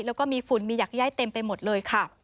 แล้วก็มีฝุ่นมีหยักย่ายเต็มไปหมดเลยค่ะ